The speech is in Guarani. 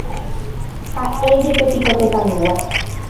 Háʼéjepepiko tetãygua.